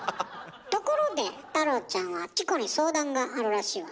ところで太郎ちゃんはチコに相談があるらしいわね。